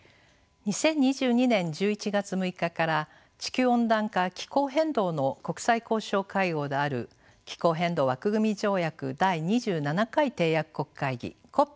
２０２２年１１月６日から地球温暖化気候変動の国際交渉会合である気候変動枠組条約第２７回締約国会議ＣＯＰ